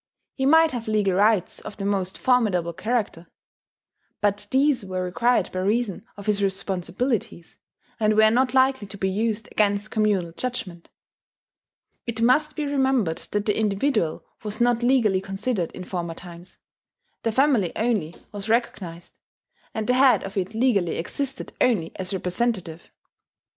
He might have legal rights of the most formidable character; but these were required by reason of his responsibilities, and were not likely to be used against communal judgment. It must be remembered that the individual was not legally considered in former times: the family only was recognized; and the head of it legally existed only as representative.